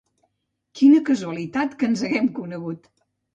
Quina casualitat que ens haguem conegut!